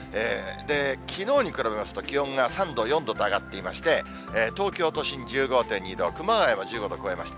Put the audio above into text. きのうに比べますと気温が３度、４度と上がっていまして、東京都心１５．２度、熊谷は１５度超えました。